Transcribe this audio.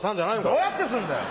どうやってするんだよ！